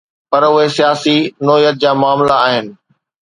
پر اهي سياسي نوعيت جا معاملا آهن.